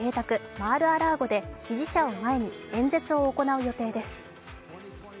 マール・ア・ラーゴで支持者を前に演説を行う予定です。